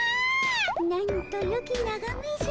なんとよきながめじゃ。